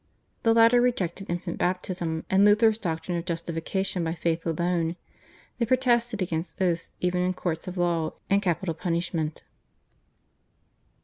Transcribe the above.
The latter rejected infant baptism and Luther's doctrine of Justification by faith alone. They protested against oaths even in courts of law and capital punishment.